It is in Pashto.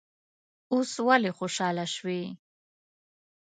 اوس ولې خوشاله شوې.